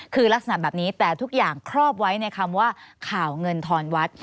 คือลักษณะแบบนี้แต่ทุกอย่างครอบไว้ในคำว่าข่าวเงินทอนวัด